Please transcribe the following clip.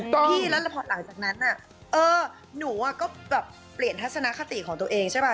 พี่แล้วพอหลังจากนั้นหนูก็แบบเปลี่ยนทัศนคติของตัวเองใช่ป่ะ